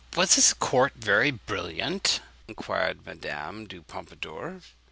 'Was his court very brilliant?' inquired Madame du Pompadour.